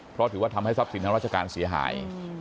เพราะถือว่าทำให้ทรัพย์สินทางราชการเสียหาย